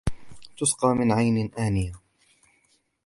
تُسْقَى مِنْ عَيْنٍ آنِيَةٍ